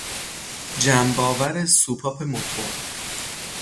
جنب آور سوپاپ موتور